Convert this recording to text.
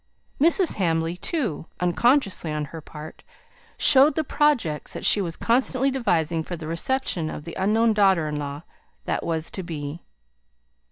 Mrs. Hamley, too, unconsciously on her part, showed the projects that she was constantly devising for the reception of the unknown daughter in law that was to be.